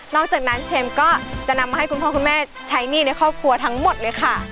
อกจากนั้นเชมก็จะนำมาให้คุณพ่อคุณแม่ใช้หนี้ในครอบครัวทั้งหมดเลยค่ะ